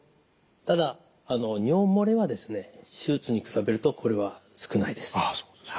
ただ尿漏れはですね手術に比べるとこれは少ないです。